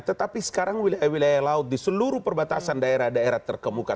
tetapi sekarang wilayah laut di seluruh perbatasan daerah daerah terkemuka